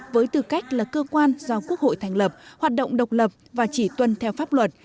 với tư cách là cơ quan do quốc hội thành lập hoạt động độc lập và chỉ tuân theo pháp luật